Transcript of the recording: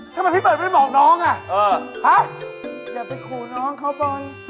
ทำไมพี่เบิร์ดไม่บอกน้องอ่ะฮะอย่าไปขู่น้องเขาบอล